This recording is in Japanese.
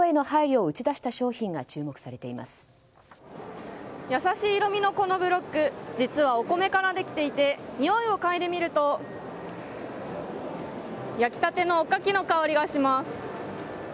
優しい色味のこのブロック実はお米からできていてにおいをかいでみると焼きたてのおかきの香りがします。